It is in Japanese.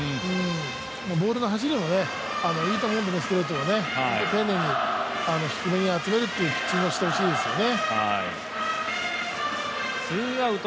ボールも走りも、いい球で丁寧に、低めに集めるというピッチングをしてほしいですね。